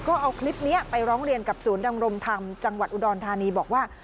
ก็เอาคลิปนี้ไปร้องเรียนกับศูนย์ดำรงธรรมจังหวัดอุดรธานีบอกว่า